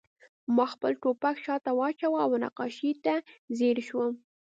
ما خپل ټوپک شاته واچاوه او نقاشۍ ته ځیر شوم